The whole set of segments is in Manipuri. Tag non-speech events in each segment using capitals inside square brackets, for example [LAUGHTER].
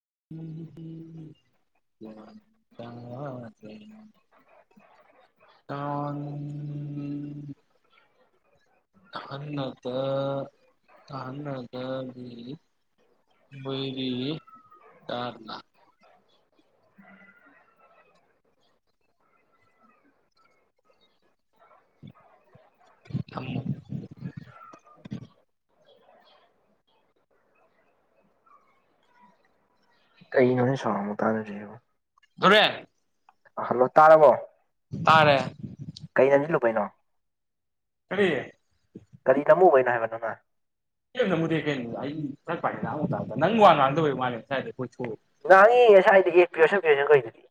[UNINTELLIGIBLE] ꯀꯥꯟꯅꯗ ꯀꯥꯟꯅꯗꯒꯤ ꯃꯣꯢꯒꯤ [UNINTELLIGIBLE] [UNINTELLIGIBLE] ꯊꯝꯃꯣ [INAUDIBLE] ꯀꯩꯅꯣꯅꯦ ꯁꯥꯎꯟ ꯑꯃꯣꯛ ꯇꯗꯩꯁꯤꯕꯨ ꯗꯣꯔꯦꯟ ꯍꯜꯂꯣ ꯇꯥꯔꯔꯕꯣ ꯇꯥꯔꯦ ꯀꯩ ꯅꯝꯁꯜꯂꯨꯕꯩꯅꯣ ꯀꯔꯤ ꯀꯔꯤꯅꯝꯃꯨꯕꯩ [UNINTELLIGIBLE] ꯅꯪꯅ ꯑꯩ ꯀꯦꯝ ꯅꯝꯃꯨꯗꯦ ꯀꯩ ꯑꯩ ꯐꯖꯅ ꯄꯥꯢꯅ ꯑꯃꯣꯛ ꯇꯥꯁꯨ ꯇꯥ ꯅꯪ ꯋꯥ ꯉꯥꯡꯗꯕꯩ ꯃꯥꯂꯦ ꯉꯁꯥꯏꯗꯩ ꯉꯥꯡꯉꯤ ꯉꯁꯥꯏꯗꯒꯤ ꯄ꯭ꯔꯤꯌꯣꯁꯟ ꯄ꯭ꯔꯤꯌꯣꯁꯟ ꯀꯧꯢꯗꯨꯗꯤ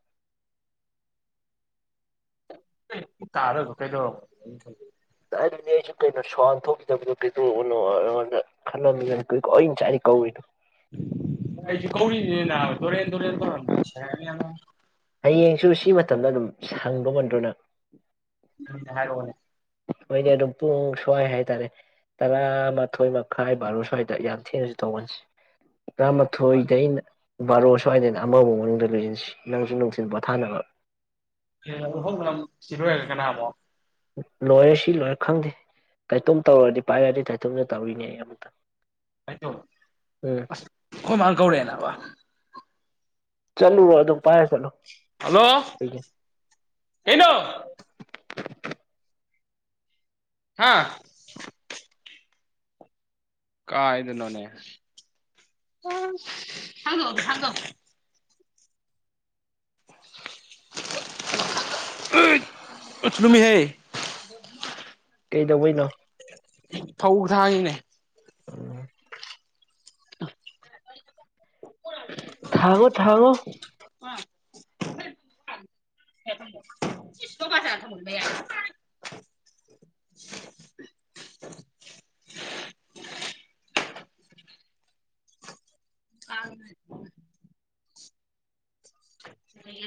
ꯇꯥꯗꯕꯗꯨ ꯀꯩꯇꯧꯔꯝ ꯑꯩꯅ ꯈꯜꯂꯨꯢ ꯑꯗꯨꯅꯦ ꯑꯩꯁꯨ ꯀꯩꯅꯣ ꯁ꯭ꯋꯥꯟ ꯊꯣꯛꯈꯤꯗꯕꯗꯣ ꯀꯩꯇꯧꯔꯕꯅꯣ ꯈꯜꯂꯝꯃꯤꯕꯅꯤ [UNINTELLIGIBLE] ꯑꯩꯅ ꯉꯁꯥꯢꯗꯩ ꯀꯧꯏꯗꯣ ꯑꯩꯁꯨ ꯀꯧꯔꯤꯅꯤꯅꯦ ꯅꯥ ꯍꯌꯦꯡꯁꯨ ꯁꯤ ꯃꯇꯝꯗ ꯑꯗꯨꯝ ꯁꯪꯗꯣꯕ ꯅꯇ꯭ꯔꯣ ꯅꯪ ꯑꯩꯉꯣꯟꯗ ꯍꯥꯢꯔꯛꯑꯣꯅꯦ ꯍꯣꯢꯅꯦ ꯑꯗꯨꯝ ꯄꯨꯡ ꯁ꯭ꯋꯥꯏ ꯍꯥꯏꯇꯥꯔꯦ ꯇꯔꯥꯃꯥꯊꯣꯏ ꯃꯈꯥꯏ ꯕꯥꯔꯣ ꯁ꯭ꯋꯥꯏꯗ ꯌꯥꯝ ꯊꯦꯡꯅꯁꯨ ꯇꯧꯒꯟꯁꯤ ꯍꯣꯏ ꯇꯥꯔꯃꯊꯣꯢ ꯗꯩꯅ ꯕꯥꯔꯣ ꯁ꯭ꯋꯥꯏꯗꯅ ꯑꯃꯕꯨꯥꯎ ꯃꯅꯨꯡꯗ ꯂꯣꯏꯁꯤꯟꯁꯤ ꯅꯪꯁꯨ ꯅꯨꯡꯁꯤꯤꯟ ꯄꯣꯊꯥꯅꯕ ꯍꯣꯡ ꯁꯤꯔ ꯀꯅꯥꯃꯣ ꯂꯣꯏꯔ ꯁꯤ ꯂꯣꯏꯔ ꯈꯪꯗꯦ ꯀꯥꯏꯇꯣꯝ ꯇꯧꯔꯗꯤ ꯄꯥꯏꯔꯗꯤ ꯀꯥꯏꯊꯣꯝꯗ ꯇꯧꯔꯤꯅꯦ ꯑꯩ ꯑꯃꯨꯛꯇ ꯍꯥꯏꯗꯣ ꯎꯝ ꯑꯁ ꯑꯩꯈꯣꯏꯃꯥꯡ ꯀꯧꯔꯛꯑꯦ ꯅꯕ ꯆꯂꯨ ꯋꯥ ꯑꯗꯨꯣ ꯍꯜꯂꯣ ꯍꯩꯅꯣ ꯍꯥꯥ ꯀ ꯏꯗꯅꯣꯅꯦꯦꯣ ꯂꯃꯤꯍꯦ ꯀꯩꯗꯧꯕꯩꯅꯣ ꯐꯧꯒ ꯊꯑꯅꯦ ꯎꯝ ꯊꯥꯡꯉꯣ ꯊꯥꯉꯣ ꯀ ꯌꯥ ꯑ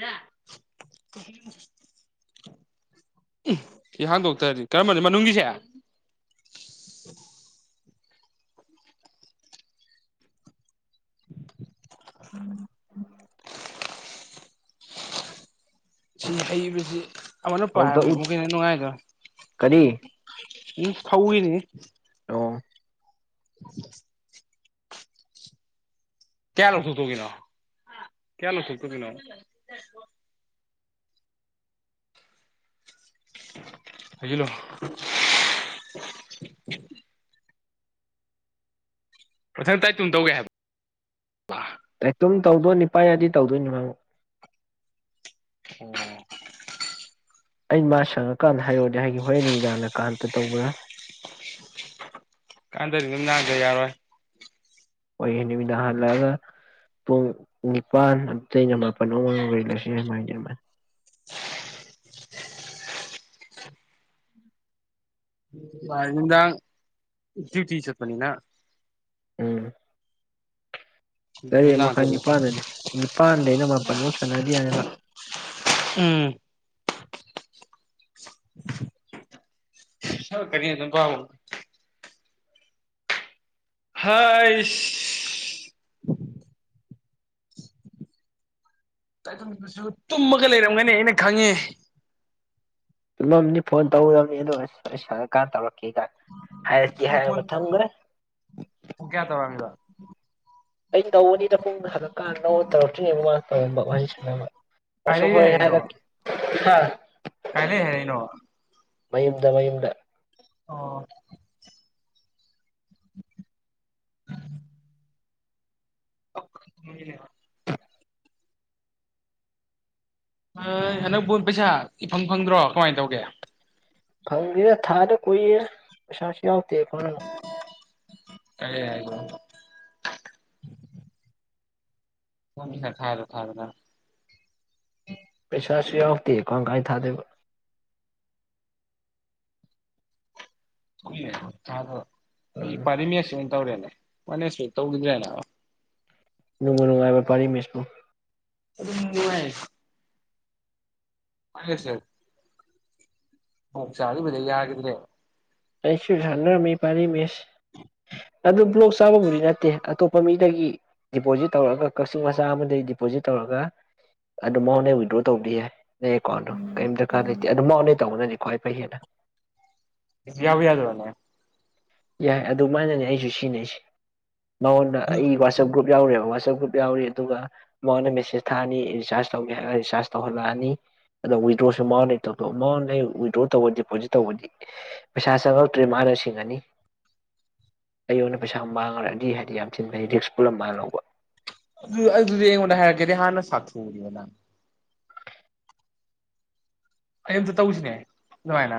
ꯔ ꯏ ꯍꯥꯡꯗꯣꯛꯇꯔꯗꯤ ꯀꯔꯝꯕꯅꯤ ꯃꯅꯨꯡꯒꯤꯁꯦ ꯎꯝ ꯁꯤꯅ ꯍꯩꯕꯁꯤ ꯑꯃꯅ ꯐꯧꯗ ꯄꯥꯏꯕꯅꯤ ꯎ ꯑꯃꯨꯒꯤꯅ ꯅꯨꯡꯉꯥꯏꯗꯣ ꯀꯔꯤ ꯎꯝ ꯐꯧꯏꯅꯤ ꯑꯣ [INAUDIBLE] ꯀꯌꯥ ꯂꯣ ꯊꯨ ꯇꯨ ꯀꯅꯣ ꯀ ꯂꯨ ꯊꯨ ꯇꯨ ꯀꯅꯣ ꯍꯥꯏꯖꯤꯂꯣ ꯃꯊꯪ ꯇꯥꯏꯇꯨꯝ ꯇꯧꯒꯦ ꯍꯥꯏꯕ ꯇꯨꯝ ꯇꯧꯗꯣꯏ ꯅꯤꯄꯥꯏ ꯌꯥꯗꯤ ꯇꯧꯗꯣꯏꯅꯤ ꯍꯥꯏꯕꯨꯨ ꯑꯣꯝ ꯑꯩ ꯃꯥ ꯁꯪꯉꯀꯥꯟꯗ ꯍꯥꯏꯔꯣꯗꯤꯦ ꯍꯥꯏꯒꯤ ꯍꯣꯔꯦꯟ ꯅꯨꯃꯤꯗꯥꯡꯅ ꯀꯥꯟꯝꯇ ꯇꯧꯕ꯭ꯔꯥ ꯀꯥꯟꯇꯔꯤ ꯅꯅꯥꯗ ꯌꯥꯔ ꯑꯣꯏꯣꯏ ꯍꯣꯏꯌꯦ ꯅꯨꯃꯤꯗꯥꯡ ꯍꯜꯂꯛꯑꯒ ꯄꯨꯡ ꯅꯤꯄꯜ ꯑꯩꯅ ꯃꯥꯄꯟ ꯎꯔꯂꯁꯤ ꯍꯥꯏꯃꯦ [INAUDIBLE] ꯅꯨꯗ ꯆꯔꯠ ꯄꯅꯤꯅ ꯎꯝ ꯇꯔꯦꯠ ꯅꯨꯡꯗꯥꯡ ꯃꯈꯥꯏ ꯇꯧꯔꯦ ꯅꯤꯄꯥꯜꯗꯗꯤ ꯅꯤꯄꯜꯗꯩꯅ ꯃꯥꯄꯜꯃꯧ ꯁꯥꯟꯅꯗꯤ ꯌꯥꯅꯦꯕ ꯎꯝ ꯁ ꯀ ꯅ ꯀ ꯍꯁꯁꯨ ꯇꯨꯝꯃꯒ ꯂꯩꯔꯝꯒꯅꯤ ꯑꯩꯅ ꯈꯪꯉꯦ ꯆꯨꯝꯂꯝꯅꯤ ꯐꯣꯟ ꯇꯧꯔꯝꯅꯤ ꯑꯗꯣ ꯁꯀꯥꯟ ꯇꯧꯔꯛꯀꯦꯒꯥꯏ ꯍꯥꯏꯁꯤ ꯐꯣꯟ ꯍꯥꯏꯕꯊꯪ ꯃꯔꯦ ꯎꯝ ꯑ ꯅꯣ ꯇꯔꯣꯇꯔꯤꯅꯤꯃ ꯁ ꯀꯥꯏ ꯑꯁ ꯂꯩꯔꯤ ꯍ ꯍꯥꯏꯒ ꯍꯥꯏꯔꯛꯏꯅꯣꯕ ꯀꯥꯏ ꯂꯩ ꯍꯥꯏꯔꯛꯏꯅꯣꯕ ꯃꯌꯨꯝꯗ ꯃꯌꯨꯝꯗ ꯑꯣ [UNINTELLIGIBLE] ꯑ ꯍꯅꯛꯕꯣꯟ ꯄꯩꯁꯥ ꯏꯐꯪ ꯐꯪꯗ꯭ꯔꯣ ꯀꯃꯥꯏꯅ ꯇꯧꯒꯦ꯫ ꯐꯪꯗꯦꯗ ꯊꯥꯗ ꯀꯨꯏꯔꯦꯗ ꯄꯩꯁꯥꯁꯨ ꯌꯥꯎ [UNINTELLIGIBLE] ꯀꯔꯤ ꯍꯥꯏꯒꯦ꯫ [UNINTELLIGIBLE] ꯄꯦꯁꯥꯁꯨ ꯌꯥꯎꯇꯦ ꯀꯃꯥꯏ-ꯀꯃꯥꯏ ꯊꯥꯗꫭꯏꯕ꯫ [UNINTELLIGIBLE] ꯑꯩ ꯎꯝ ꯄꯥꯔꯤꯃꯦꯁꯁꯤ ꯇꯧꯔꯦꯅ ꯃꯅꯦꯁ ꯍꫭꯏ ꯇꯧꯒꯤꯗ꯭ꯔꯦꯅ ꯅꯨꯡꯕꯨꯅꯨꯡꯉꯥꯏꯕ꯭ꯔ ꫭꯄꯥꯔꯤ ꯃꯦꯁꯄꯨ꯫ ꯑꯗꯨꯝ ꯅꯨꯡꯉꯥꯏ꯫ [UNINTELLIGIBLE] ꯑꫭꯛ ꯆꯥꯔꯨꯕꯗꯩ ꯌꯥꯒꯤꯗ꯭ꯔꯦ꯫ ꯑꯩꯁꯨ ꯁꯥꯟꯅꯔꯝꯃꯤ ꯄꯥꯔꯤ ꯃꯤꯁ ꯑꯗꯨ ꯕ꯭ꯂꯣꯛ ꯆꯥꯕꯕꯨꯗꯤ ꯅꯠꯇꯦ ꯑꯇꯣꯞꯄ ꯃꯤꯗꯒꯤ ꯗꯤꯄꯣꯖꯤꯠ ꯇꯧꯔꯒ ꯀꯛꯆꯤꯡ ꯃꯆꯥ ꯑꯃꯗꯒꯤ ꯗꯤꯄꯣꯖꯤꯠ ꯇꯧꯔꯒ ꯑꯗꯨ ꯃꯥꯥꯉꫭꯟꯗꯩ ꯋꯤꯗ꯭ꯔꯣ ꯇꯧꯕꯗꯤ ꯌꯥꯏ ꯅꯪ ꯑꯦꯀꯥꯎꯟꯗꯣ ꯀꯔꯤꯝ ꯗꯔꯀꯥꯔ ꯂꯩꯇꯦ ꯑꯗꯨ ꯃꯥꯅ ꯇꯧꯕꯅꯅꯤ ꯈ꯭ꯋꯥꯏ ꯐꯩ ꯍꯦꯟꯅ꯫ ꯏꯁ ꯌꯥꯕꯨ ꯌꯥꯗꫭꯔꯅꯦ꯫ ꯌꯥꯏ ꯑꯗꯨꯃꯥꯏꯅꯅꯦ ꯑꯩꯁꯨ ꯁꯤꯖꯤꯟꯅꯩꯁꯤ꯫ ꯃꯥꯉꫭꯟꯗ ꯑꯗꯨ ꯑꯩ ꯋꯥꯆꯞ ꯒ꯭ꯔꯨꯞ ꯌꯥꯎꯔꯦꯕ ꯋꯥꯆꯞ ꯒ꯭ꯔꯨꯞ ꯌꯥꯎꯔꯤ ꯑꯗꯨꯒ ꯃꯥꯉꯣꯟꯗ ꯃꯦꯁꯦꯁ ꯊꯥꯅꯤ ꯔꯤꯆꯥꯔꯖ ꯇꯧꯒꯦ ꯍꯥꯏꯔꯒ ꯔꯤꯆꯥꯔꯖ ꯇꯧꯍꯜꯂꯛꯑꯅꯤ ꯑꯗꯣ ꯋꯤꯗ꯭ꯔꯣꯁꯨ ꯃꯥꯉꯣꯟꯗꯩ ꯇꯧꯊꯣꯛꯑꯣ ꯃꯥꯉꯣꯟꯗ ꯋꯤꯗ꯭ꯔꯣ ꯇꯧꯕ ꯗꯤꯄꯣꯖꯤꯠ ꯇꯧꯕꯗꯤ ꯄꯩꯁꯥ ꯆꯪꯉꯛꯇ꯭ꯔꯦ ꯃꯥꯅ ꯁꯤꯡꯑꯅꯤ꯫ ꯑꯩꯉꯣꯟꯗ ꯄꯩꯁꯥ ꯃꯥꯡꯑꯔꯗꯤ ꯍꯥꯏꯗꯤ ꯌꯥꯝ ꯊꯤꯟ ꯐꯩ ꯔꯤꯛꯁ ꯄꯨꯜꯂꯞ ꯃꯥꯅ ꯂꯧꯕ꯫ ꯑꯗꯨ ꯑꯗꯨꯗꯤ ꯑꯩꯉꯣꯟꯗ ꯍꯥꯏꯔꯛꯀꯦꯗꯤ ꯍꯥꯟꯅ ꯁꯥꯛꯊꯨꯅꯤꯗ ꯅꯪ꯫ ꯑꯩ ꯑꯝꯇ ꯇꯧꯁꯤꯅꯦ ꯑꯗꯨꯃꯥꯏꯅ꯫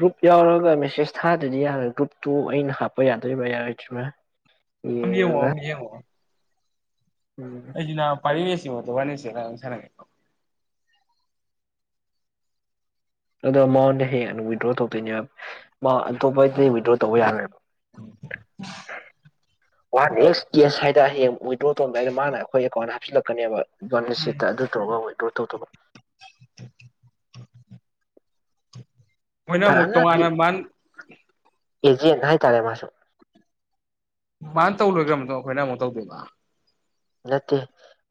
ꯒ꯭ꯔꯨꯞ ꯌꯥꯎꯔꯒ ꯃꯦꯁꯦꯁ ꯊꯥꯗ꯭ꯔꯗꯤ ꯌꯥꯔꯣꯏ ꯒ꯭ꯔꯨꯞꯇꯨ ꯑꯩꯅ ꯍꯥꯞꯄ ꯌꯥꯗꯣꯏꯕ꯭ꯔ ꯌꯥꯔꯣꯏꯗ꯭ꯔꯤꯕ꯫ ꯑꯝ ꯌꯦꯡꯑꫭ ꯑꯝ ꯌꯦꯡꯑꫭ꯫ ꯎꯝ ꯄꯥꯔꯥꯃꯦꯁ ꯃꯇꯨ ꯋꯥꯏꯅꯁꯤꯅ ꯁꯅꯒꯦ ꯑꯗꯣ ꯃꯉꫭꯟꯗꯩ ꯍꯦꯛꯅ ꯋꯤꯗ꯭ꯔꯣ ꯇꯧꯗꯣꯏꯅꯦꯕ ꯃꯥ ꯑꯇꯣꯞꯄꯗꯩ ꯋꯤꯗ꯭ꯔꯣ ꯇꯧꯕ ꯌꯥꯔꯣꯏꯕ꯫ ꯋꯥꯟ ꯑꯦꯛꯁ ꯀꯦꯁ ꯍꯥꯏꯗ ꯍꯌꯦꯡ ꯋꯤꯗ꯭ꯔꯣ ꯇꯣꯟꯕ ꯍꯥꯏꯒ ꯃꯥꯅ ꯑꯩꯈꯣꯏ ꯑꯀꫭꯟ ꯁꯤꯂꯛꯀꯅꯤꯕ ꯎꯝ ꯕꯣꯅꯤꯁꯤꯠꯇ ꯑꯗꯨ ꯇꯔꯒ ꯑꯣꯏ ꯑꯗꯨ ꯇꯧꯗꯕ [UNINTELLIGIBLE] ꯃꯣꯏꯅ ꯑꯃꯨꯛ ꯐꯖꯅ ꯇꯣꯉꯥꯟꯅ ꯃꯥꯟ ꯑꯦꯖꯦꯟ ꯍꯥꯏꯇꯥꯔꯦ ꯃꯥꯁꯨ ꯃꯥꯅ ꯇꯧ ꯂꯣꯏꯈ꯭ꯔ ꯃꯇꯨꯡ ꯑꯩꯈꯣꯏꯅ ꯑꯃꯨꯛ ꯇꯧꯗꯣꯏꯕꯥ꯫ ꯅꯠꯇꯦ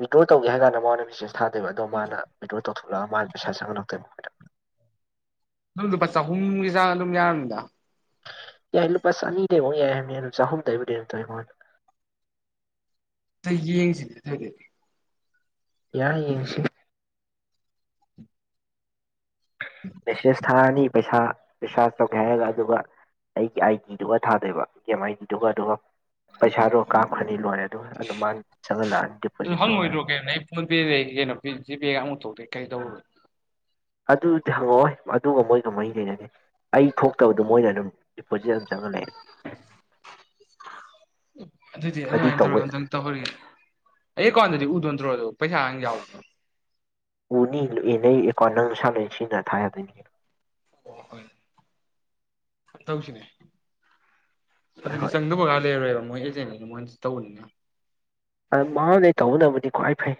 ꯋꯤꯗ꯭ꯔꯣ ꯇꯧꯒꯦ ꯍꯥꯏ ꯀꯥꯟꯗ ꯃꯉꫭꯟꯗ ꯃꯦꯁꯦꯁ ꯊꯥꯗꯣꯏꯕ ꯑꯗꯣ ꯃꯥꯅ ꯋꯤꯗ꯭ꯔꯣ ꯇꯧꯊꯣꯛꯂꯛꯑꯒ ꯃꯥꯅ ꯄꯩꯁꯥ ꯆꯪꯍꯜꯂꯛꯇꯣꯏꯕ꯫ ꯑꯗꯨꯝ ꯂꯨꯄꯥ ꯆꯍꯨꯝꯒꯤ ꯆꯥꯡ ꯑꯗꯨꯝ ꯌꯥꯔꯝꯅꯤꯗ꯫ ꯌꯥꯏ ꯂꯨꯄꯥ ꯆꯅꯤꯗꯩꯉꯣ ꯌꯥꯏ ꯍꯥꯏꯕꯅꯦ ꯑꯗꫭ ꯆꯍꯨꯝꯗꯩꯕꯨꯗꯤ ꯑꯗꯨꯝ ꯇꯩꯔꯤꯉꫭꯟꯅꯤ꯫ ꯑ ꯌꯦꯡꯁꯤꯅꯦ ꯑꯗꯨꯏꯗꯗꯤ ꯌꯥꯏ ꯌꯦꯁꯤ ꯃꯦꯁꯁ ꯊꯥꯔꯗꯤ ꯄꯩꯁꯥ ꯔꯤꯁꯥꯔꯖ ꯇꯧꯒꯦ ꯍꯥꯏꯔꯒ ꯑꯗꯨꯒ ꯑꯩꯒꯤ ꯑꯥꯏ ꯗꯤꯗꯨꯒ ꯊꯥꯗꯣꯏꯕ ꯑꯦ ꯑꯦꯝ ꯑꯥꯏ ꯗꯤꯗꯨꯒ ꯑꯗꯨꯒ ꯄꯩꯁꯥꯗꯨꯒ ꯀꯥꯞꯈ꯭ꯔꯅꯤ ꯂꯣꯏꯔꯦ ꯑꯗꯨꯒ ꯑꯗꯨꯝ ꯃꯥꯅ ꯆꯪꯍꯜꯂꯛꯑꯅꯤ ꯑꯗꯨ ꯗꯤꯄꯣꯖꯤꯠ ꯇꯧꯔꯅꯤ ꯍꯪꯉꯣꯏꯗ꯭ꯔꯣ ꯀꯩꯅꯣ ꯑꯩ ꯐꯣꯟ ꯄꯦꯗ ꯀꯩꯅꯣ ꯖꯤꯄꯦꯒ ꯑꯃꯨꯛꯊꯣꯛꯇꯦ ꯀꯩꯗꯧ ꯑꯗꯨꯗꯤ ꯍꯪꯉꯛꯑꯣꯣꯏ ꯑꯗꯨꯒ ꯃꯣꯏꯒ ꯃꯔꯤ ꯂꯩꯅꯗꯦ ꯑꯩ ꯊꯣꯛꯇꯕꯗ ꯃꯣꯏꯅ ꯑꯗꯨꯝ ꯗꯤꯄꯣꯖꯤꯠ ꯑꯗꯨꯝ ꯆꯪꯍꯂꯑꯦ ꯑꯗꯨꯗꯤ ꯑꯗꯨꯏ ꯑꯗꯨꯃꯥꯏꯅ ꯇꯧꯔꯒ ꯇꯧꯕ ꯑꯝꯇꯪ ꯇꯧꯍꯔꯤꯒꯦ ꯑꯦ ꯀꯣꯟ ꯑꯗꯨꯗꯤ ꯎ ꯣꯟ ꯇꯔꯣ ꯑꯣꯏ ꯄꯩ ꯍꯥꯏꯉ ꯌꯥꯎ ꯎꯅꯤ ꯂꯨꯏ ꯅꯪ ꯑꯦꯀꯥꯎꯟ ꯅꯪ ꯂꯁꯥ ꯂꯣꯏ ꯁꯤꯅ ꯊꯥꯗꯣꯏꯅꯤ ꯍ ꯍꯣꯏ ꯇꯧꯁꯤꯅꯦ ꯑꯗꯨꯗꯤ ꯍꯣꯏ ꯆꯪꯗꯕꯒ ꯂꯩꯔ ꯃꯣꯏ ꯑꯦꯖꯦꯟꯗ ꯃꯣꯏꯁꯨ ꯇꯧꯕꯅꯤꯅ ꯃꯥꯅꯦ ꯇꯧꯅ ꯃꯅꯤ ꯀ꯭ꯋꯥꯥꯏ ꯐꯩ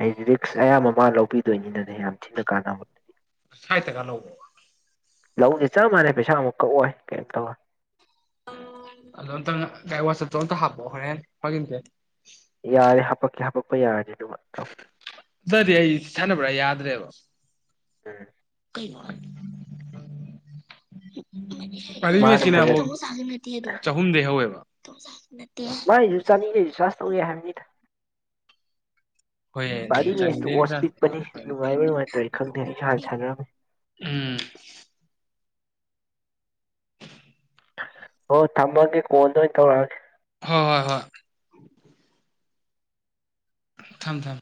ꯑꯩ ꯔꯤꯛꯁ ꯑꯌꯥꯝꯕ ꯑꯃ ꯂꯧꯕꯤꯗꯣꯏꯅꯤꯅꯗꯤ ꯌꯥꯝ ꯊꯤꯅ ꯀꯥꯟꯅꯕ ꯁꯥꯏ ꯇ ꯀ ꯂꯧꯕꯕ ꯂꯧꯁꯤꯦ ꯆꯞ ꯃꯥꯟꯅꯩ ꯄꯩꯁꯥꯃꯨꯛ ꯀꯛꯑꯣꯏ ꯀꯩꯝ ꯇꯧꯋ ꯑꯗꯨꯗꯇ ꯉ ꯀꯥꯏ ꯋꯥꯁꯇ ꯑꯣꯇ ꯍꯥꯄꯣ ꯍꯣꯔꯦꯟꯦꯟ ꯍꯒꯤꯟꯇꯦ ꯌꯥꯔꯦ ꯍꯥꯄꯛꯀꯦ ꯍꯥꯄꯛꯄ ꯌꯥꯔꯦ ꯑꯗꯨꯗꯤ ꯑꯩ ꯁꯥꯟꯅꯕ꯭ꯔꯥ ꯌꯥꯗ꯭ꯔꯦꯕ [INAUDIBLE] ꯎꯝ [INAUDIBLE] ꯃꯥꯅ ꯑꯁꯤꯅ ꯑꯃꯨꯛ ꯐꯖꯅ ꯆꯍꯨꯝꯗꯩ ꯍꯧꯋꯦꯕ ꯄ ꯆ ꯃꯤ ꯃꯥꯁꯨ ꯆꯥꯅꯤꯗꯩꯁꯨ ꯆꯔꯖ ꯇꯧꯒ ꯍꯥꯏꯕꯅꯤꯗ ꯍꯣꯏ ꯌꯥ ꯕꯥꯔꯂꯤ ꯃꯦꯠꯁꯇꯨ ꯆꯔꯤ ꯑꯣꯁ ꯆ ꯄꯤꯛꯄꯅꯤ ꯅꯨꯡꯉꯥꯏꯕ꯭ꯔꯥ ꯅꯨꯡꯉꯥꯏꯇ꯭ꯔꯥ ꯑꯩ ꯈꯪꯗꯦ ꯑꯩꯁꯨ ꯍꯥꯟꯅ ꯁꯥꯟꯅꯔꯝꯃꯤ ꯎꯝ ꯍꯣꯏ ꯊꯝꯃꯒꯦ ꯀꯣꯟꯗ ꯑꯣꯏꯅ ꯇꯧꯔꯛꯑꯒꯦ ꯍꯣꯏ ꯍꯣꯏ ꯍꯣꯏ ꯊꯝ ꯊꯝ